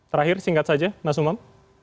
terakhir singkat saja mas umam